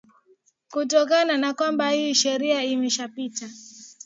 kutokana na kwamba hii sheria imeshapita